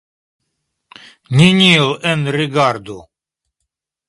Neniel enrigardu!